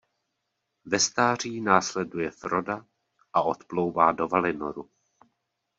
Ve stáří následuje Froda a odplouvá do Valinoru.